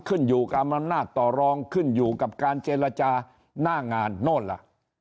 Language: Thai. ขึ้นอยู่กับอำนาจต่อรองขึ้นอยู่กับการเจรจาหน้างานโน่นล่ะ